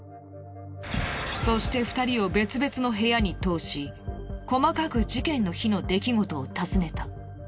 そして２人を別々の部屋に通し細かく事件の日の出来事をたずねた。